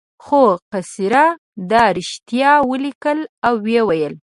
خو قیصر دا رښتیا ولیکل او وویل.